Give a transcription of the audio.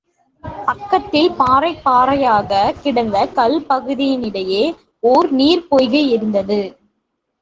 பக்கத்தில் பாறை பாறையாகக் கிடந்த கல் பகுதியினிடையே ஒரு நீர்ப்பொய்கை இருந்தது.